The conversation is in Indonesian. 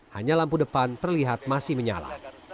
hanya lampu depan terlihat masih menyala